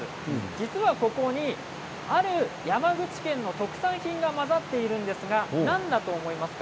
実はここに、ある山口県の特産品が混ざっているんですが何だと思いますか？